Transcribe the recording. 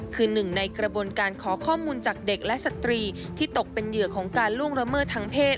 คือหนึ่งในกระบวนการขอข้อมูลจากเด็กและสตรีที่ตกเป็นเหยื่อของการล่วงละเมิดทางเพศ